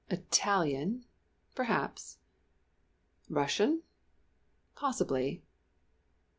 Italian? perhaps. Russian? possibly.